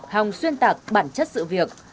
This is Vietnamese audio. hòng xuyên tạc bản chất sự việc